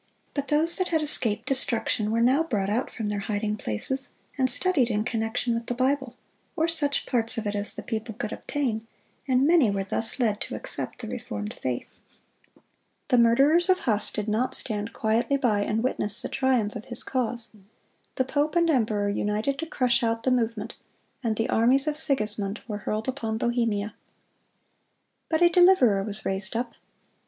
But those that had escaped destruction were now brought out from their hiding places, and studied in connection with the Bible, or such parts of it as the people could obtain, and many were thus led to accept the reformed faith. The murderers of Huss did not stand quietly by and witness the triumph of his cause. The pope and the emperor united to crush out the movement, and the armies of Sigismund were hurled upon Bohemia. But a deliverer was raised up.